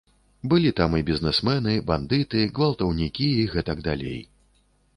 Былі там і бізнэсмэны, бандыты, гвалтаўнікі і гэтак далей.